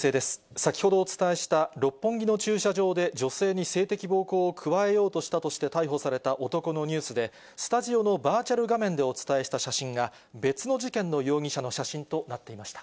先ほどお伝えした六本木の駐車場で女性に性的暴行を加えようとしたとして逮捕された男のニュースで、スタジオのバーチャル画面でお伝えした写真が、別の事件の容疑者の写真となっていました。